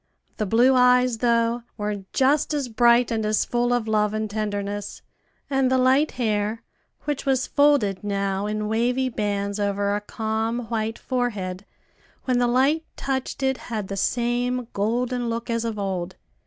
The blue eyes, though, were just as bright and as full of love and tenderness; and the light hair, which was folded now in wavy bands over a calm white forehead, when the light touched it, had the same golden look as of old.